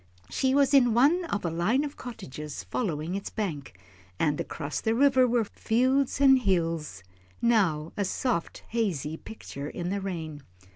She was in one of a line of cottages following its bank, and across the river were fields and hills, now a soft, hazy picture in the rain.